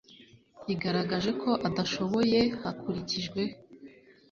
rigaragaje ko adashoboye hakurikijwe